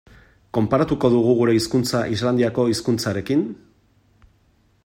Konparatuko dugu gure hizkuntza Islandiako hizkuntzarekin?